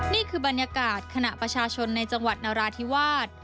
นี่คือบรรยากาศขณะประชาชนในจังหวัดนราธิวาส